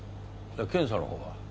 検査のほうは？